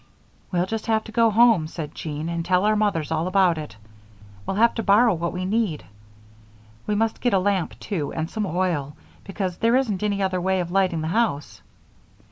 "We'll just have to go home," said Jean, "and tell our mothers all about it. We'll have to borrow what we need. We must get a lamp too, and some oil, because there isn't any other way of lighting the house."